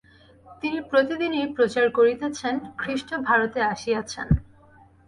ইনি প্রতিদিনই প্রচার করিতেছেন, খ্রীষ্ট ভারতে আসিয়াছেন।